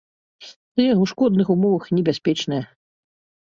Ды ў шкодных умовах, небяспечная.